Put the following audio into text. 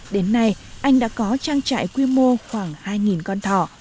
đến nay anh đã có trang trại quy mô khoảng hai con thỏ